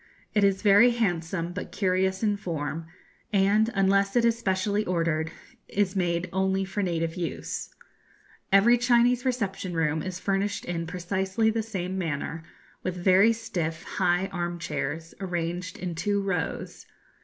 It is very handsome, but curious in form, and, unless it is specially ordered, is made only for native use. Every Chinese reception room is furnished in precisely the same manner, with very stiff high arm chairs, arranged in two rows.